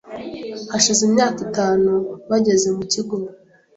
Hashize imyaka itanu bageze mu kigo